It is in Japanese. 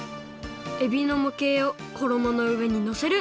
えびのもけいをころものうえにのせる！